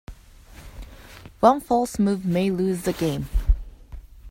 One false move may lose the game.